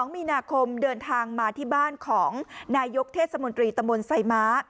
๒มีนาคมเดินทางมาที่บ้านของนายกเทศมนตรีตะมนต์ไซม้า